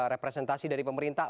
representasi dari pemerintah